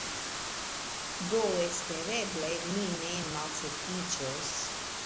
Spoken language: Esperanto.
Do espereble mi ne malsekiĝos